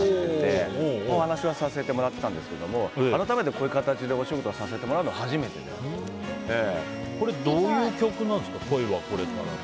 お話はさせてもらっていたんですけど改めて、こういう形でお仕事させてもらうのはどういう曲なんですか？